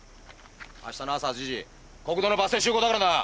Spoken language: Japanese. あしたの朝８時国道のバス停集合だからな。